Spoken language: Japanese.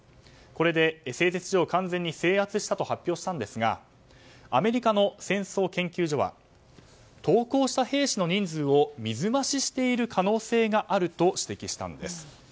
これで製鉄所を完全に制圧したと発表したんですがアメリカの戦争研究所は投稿した兵士の人数を水増ししている可能性があると指摘したんです。